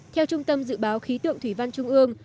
theo trung tâm dự báo khí tượng thủy văn trung ương